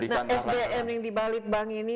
nah sdm yang di balitbank ini